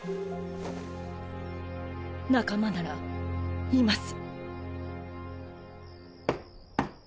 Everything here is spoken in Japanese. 仲間ならいます。